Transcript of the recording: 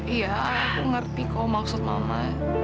iya aku ngerti kok maksud mama